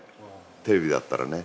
テレビだったらね。